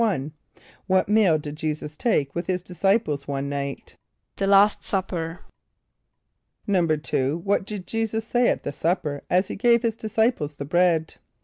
=1.= What meal did J[=e]´[s+]us take with his disciples one night? =The last supper.= =2.= What did J[=e]´[s+]us say at the supper as he gave his disciples the bread?